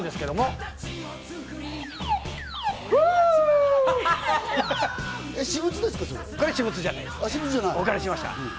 これはお借りしました。